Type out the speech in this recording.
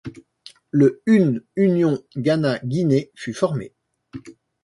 Le une Union Ghana-Guinée fut formée.